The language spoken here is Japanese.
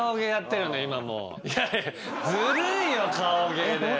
ずるいよ顔芸で。